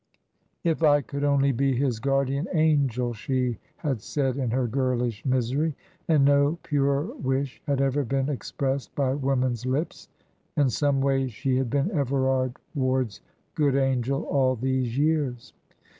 "If I could only be his guardian angel!" she had said, in her girlish misery; and no purer wish had ever been expressed by woman's lips; in some ways she had been Everard Ward's good angel all these years.